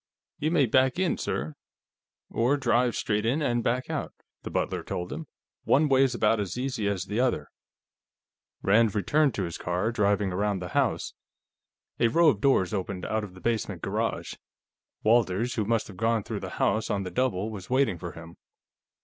"You may back in, sir, or drive straight in and back out," the butler told him. "One way's about as easy as the other." Rand returned to his car, driving around the house. A row of doors opened out of the basement garage; Walters, who must have gone through the house on the double, was waiting for him.